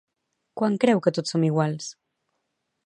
Quan creu que tots som iguals?